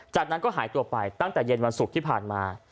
จากนั้นก็หายตัวไปตั้งแต่เย็นวันศุกร์ที่ผ่านมา